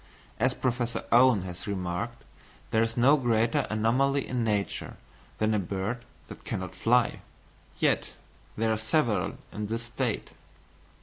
As Professor Owen has remarked, there is no greater anomaly in nature than a bird that cannot fly; yet there are several in this state.